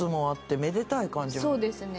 そうですね。